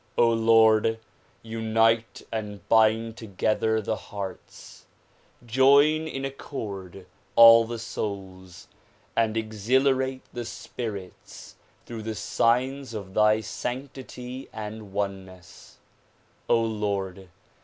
Lord ! unite and bind together the hearts, join in accord all the souls and exhilarate the spirits through the signs of thy sanctity and oneness, O Lord